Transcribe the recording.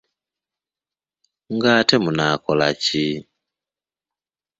Ng’ate munaakola ki?